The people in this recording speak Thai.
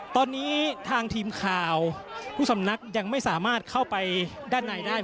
ตอนนี้ทางทีมข่าวผู้สำนักยังไม่สามารถเข้าไปด้านในได้